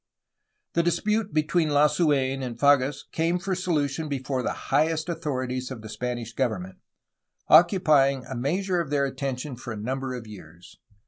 The dispute between Lasuen and Fages came for solution before the highest authorities of the Spanish government, occupying a measure of their attention for a number of years.